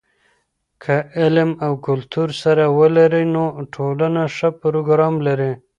که علم او کلتور سره ولري، نو ټولنه ښه پروګرام لري.